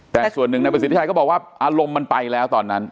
แต่ส่วนหนึ่งนายประสิทธิชัยก็บอกว่าอารมณ์มันไปแล้วตอนนั้น